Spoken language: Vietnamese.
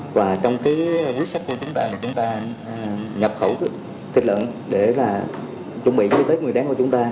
và trong cái quyết sách của chúng ta là chúng ta nhập khẩu thịt lợn để là chuẩn bị cái tết nguyên đáng của chúng ta